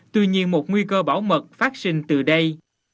tuy nhiên một nguy cơ bảo mật phát sinh từ đây